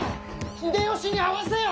秀吉に会わせよ！